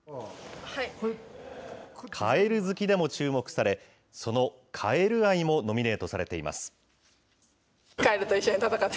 カエル好きでも注目され、そのカエル愛もノミネートされています。